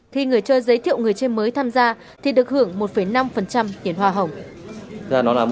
khi người chơi giới thiệu người chơi mới tham gia thì được hưởng một năm tiền hoa hồng